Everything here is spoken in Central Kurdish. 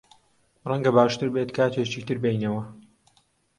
ڕەنگە باشتر بێت کاتێکی تر بێینەوە.